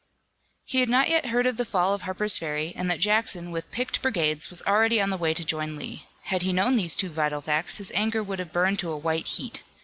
He had not yet heard of the fall of Harper's Ferry, and that Jackson with picked brigades was already on the way to join Lee. Had he known these two vital facts his anger would have burned to a white heat.